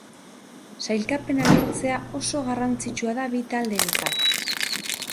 Sailkapena lortzea oso garrantzitsua da bi taldeentzat.